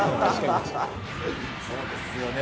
そうですよね。